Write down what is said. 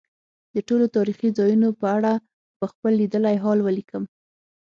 د ټولو تاریخي ځایونو په اړه به خپل لیدلی حال ولیکم.